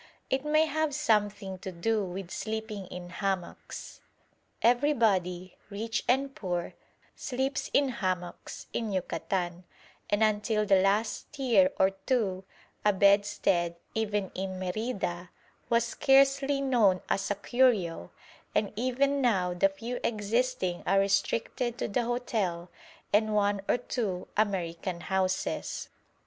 It may have something to do with sleeping in hammocks. Everybody, rich and poor, sleeps in hammocks in Yucatan, and until the last year or two a bedstead, even in Merida, was scarcely known as a curio, and even now the few existing are restricted to the hotel and one or two American houses.